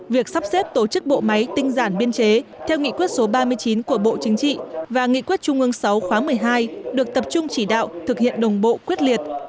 việc sắp xếp tổ chức bộ máy tinh giản biên chế theo nghị quyết số ba mươi chín của bộ chính trị và nghị quyết trung ương sáu khóa một mươi hai được tập trung chỉ đạo thực hiện đồng bộ quyết liệt